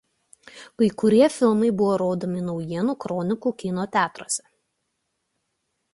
Kai kurie filmai buvo rodomi naujienų kronikų kino teatruose.